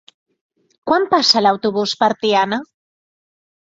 Quan passa l'autobús per Tiana?